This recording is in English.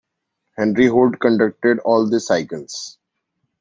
Henry Holt conducted all the cycles.